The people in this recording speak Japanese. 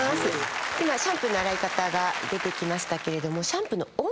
今シャンプーの洗い方が出てきましたけれども。